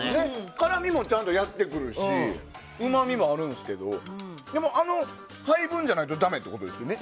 辛味もやってくるしうまみもあるんですけどでもあの配分じゃないとダメってことですよね。